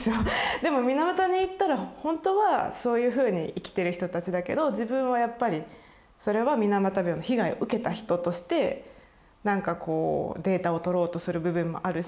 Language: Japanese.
でも水俣に行ったらほんとはそういうふうに生きてる人たちだけど自分はやっぱりそれは水俣病の被害を受けた人としてなんかこうデータを取ろうとする部分もあるし